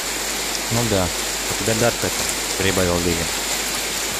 Ну да, у тебя дар к этому, — прибавил Левин.